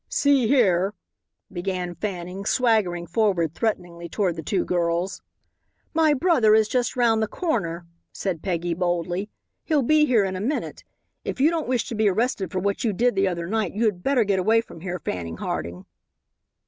"See here," began Fanning, swaggering forward threateningly toward the two girls. "My brother is just 'round that corner," said Peggy, boldly; "he'll be here in a minute. If you don't wish to be arrested for what you did the other night you had better get away from here, Fanning Harding."